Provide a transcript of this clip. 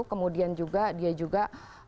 kemudian dia juga